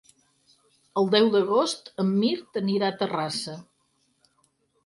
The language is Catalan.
El deu d'agost en Mirt anirà a Terrassa.